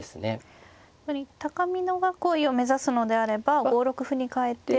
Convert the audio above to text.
高美濃囲いを目指すのであれば５六歩にかえて。